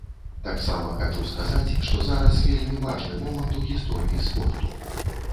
Таксама хачу сказаць, што зараз вельмі важны момант у гісторыі спорту.